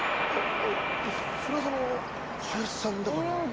あっそれはその林さんだから。